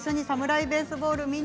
「サムライ・ベースボール」